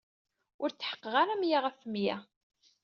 Ur tḥeqqeɣ ara meyya ɣef meyya.